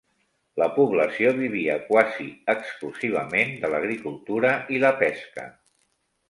La població vivia quasi exclusivament de l'agricultura i la pesca.